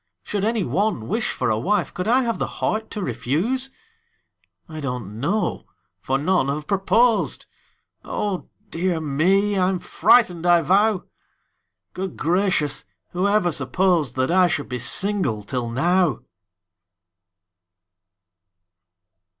Should any one wish for a wife, Could I have the heart to refuse? I don't know for none have proposed Oh, dear me! I'm frightened, I vow! Good gracious! who ever supposed That I should be single till now?